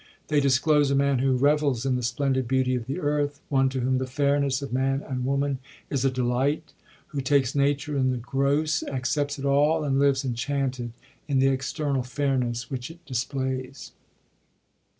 They disclose a man who revels in the splendid beauty of the earth, one to whom the fairness of man and woman is a delight, who takes Nature in the gross, accepts it all, and lives enchanted in the external fairness which it displays.